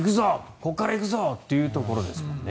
ここから行くぞ！っていうところですもんね。